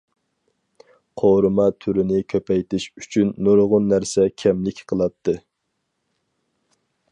قورۇما تۈرىنى كۆپەيتىش ئۈچۈن، نۇرغۇن نەرسە كەملىك قىلاتتى.